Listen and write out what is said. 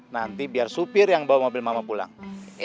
nanti biar supir yang bawa mobil mama pulang